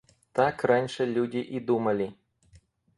Так раньше люди и думали.